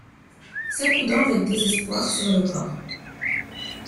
S’accoudant avec désespoir sur le corps.